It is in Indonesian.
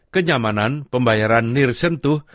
kenyamanan pembayaran nir sentuh